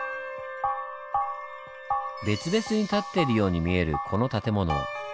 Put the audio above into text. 別々に建っているように見えるこの建物。